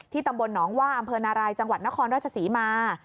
ตำบลหนองว่าอำเภอนารายจังหวัดนครราชศรีมา